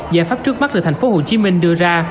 giải pháp trước mắt là tp hcm đưa ra